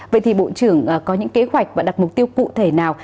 vậy thì bộ trưởng có những kế hoạch và đặt mục tiêu cụ thể nào